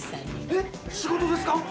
えっ仕事ですか！？